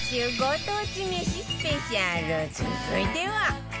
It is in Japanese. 続いては